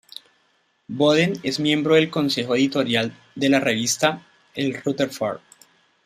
Boden es miembro del consejo editorial de la revista "El Rutherford".